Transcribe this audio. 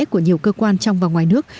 của nhiều cơ quan trong và ngoài nước